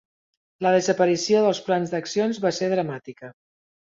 La desaparició dels plans d'accions va ser dramàtica.